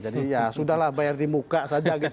jadi ya sudah lah bayar di muka saja